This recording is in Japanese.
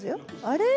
あれ？